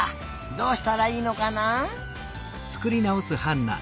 どうしたらいいのかな？